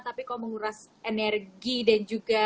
tapi kalau menguras energi dan juga